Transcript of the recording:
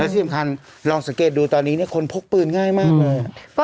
แล้วที่สำคัญลองสังเกตดูตอนนี้เนี้ยคนพกปืนง่ายมากเลยอืม